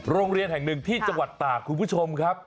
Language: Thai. โรงเรียนแห่งหนึ่งที่จังหวัดตากคุณผู้ชมครับ